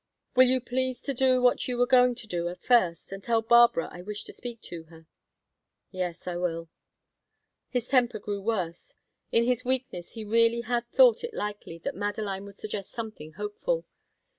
"Will you please to do what you were going to do at first, and tell Barbara I wish to speak to her?" "Yes, I will." His temper grew worse. In his weakness he really had thought it likely that Madeline would suggest something hopeful.